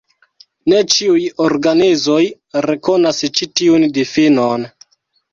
Ne ĉiuj organizoj rekonas ĉi tiun difinon.